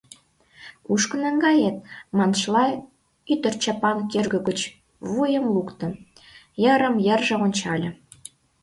«Кушко наҥгает...?» маншыла, ӱдыр чапан кӧргӧ гыч вуйым лукто, йырым-йырже ончале.